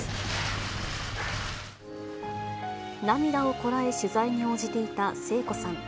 涙をこらえ取材に応じていた聖子さん。